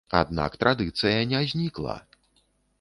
Аднак традыцыя не знікла.